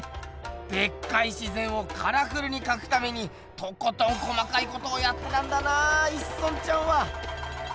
でっかい自ぜんをカラフルにかくためにとことん細かいことをやったんだな一村ちゃんは。